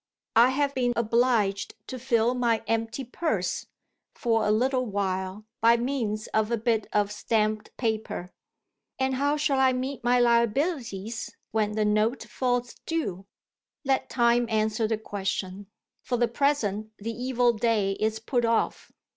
I have been obliged to fill my empty purse, for a little while, by means of a bit of stamped paper. And how shall I meet my liabilities when the note falls due? Let time answer the question; for the present the evil day is put off.